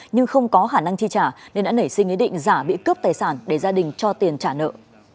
nhưng không có khả năng chi trả nên đã nảy sinh ý định giả bị cướp tài sản để gia đình cho tiền trả nợ